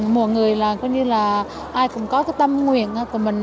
một người là ai cũng có tâm nguyện của mình